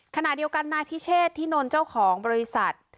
ขณะเดียวกันนายพิเชษที่นนท์เจ้าของบริษัท